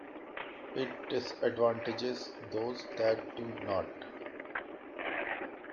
It disadvantages those that do not.